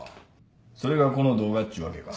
それがこの動画っちゅうわけか。